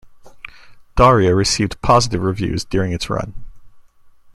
"Daria" received positive reviews during its run.